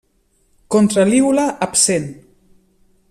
Contra-lígula absent.